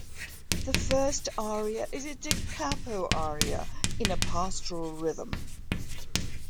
The first aria is a da capo aria in a pastoral rhythm.